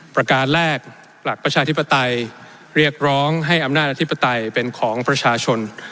ประการแรกหลักประชาธิปไตยเรียกร้องให้อำนาจอธิปไตยเป็นของประชาชน